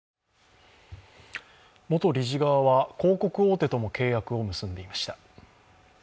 元理事側は、広告大手とも契約を結んでいました。